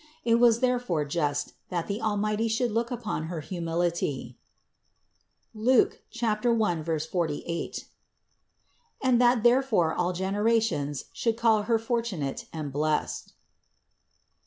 It was therefore just, that the Al mighty should look upon her humility (Luke 1, 48), and that therefore all generations should call her fortunate and blessed.